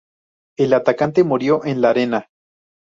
El atacante murió en la arena.